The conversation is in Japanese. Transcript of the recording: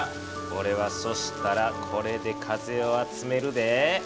おれはそしたらこれで風を集めるで。